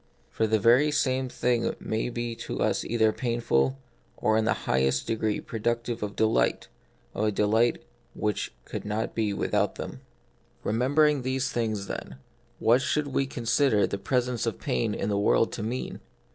For the very same things may be to us either painful, or in the highest degree productive of delight, of a delight which could not be without them. Remembering these things, then, what should we consider the presence of pain in the world to mean